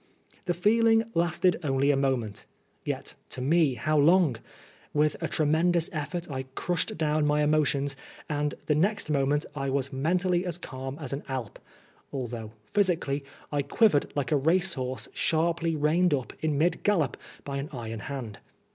The feeling lasted only a mo* ment. Yet to me how long I With a tremendous effort I crushed down my emotions, and the next moment I was mentally as calm as an Alp, although physically I quivered like a race horse sharply reined up in mid gallop by an iron hand.